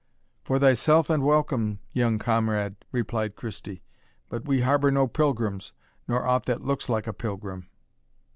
"For thyself and welcome, young comrade," replied Christie; "but we harbour no pilgrims, nor aught that looks like a pilgrim."